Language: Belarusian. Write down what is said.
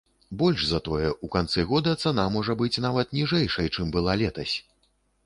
Больш за тое, у канцы года цана можа быць нават ніжэйшай, чым была летась.